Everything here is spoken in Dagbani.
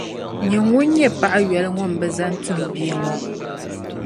Nyin’ ŋun nyɛ paɣ’ yoli ŋun bi zani tuhi bia ŋɔ!